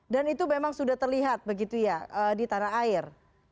dan itu memang sudah terlihat begitu ya di tanah air